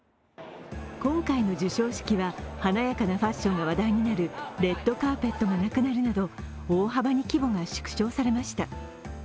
今回の授賞式は華やかなファッションが話題になるレッドカーペットがなくなるなど大幅に規模が縮小されました。